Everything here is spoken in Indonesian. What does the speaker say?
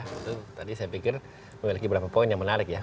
itu tadi saya pikir memiliki beberapa poin yang menarik ya